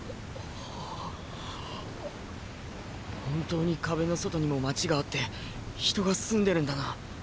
本当に壁の外にも街があって人が住んでるんだな。